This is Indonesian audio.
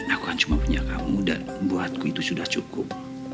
aku kan cuma punya kamu dan buatku itu sudah cukup